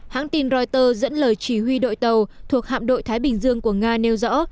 hãng tin reuters dẫn lời chỉ huy đội tàu thuộc hạm đội thái bình dương của nga nêu rõ